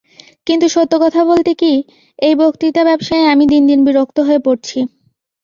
কিন্তু সত্য কথা বলতে কি, এই বক্তৃতা-ব্যবসায়ে আমি দিন দিন বিরক্ত হয়ে পড়ছি।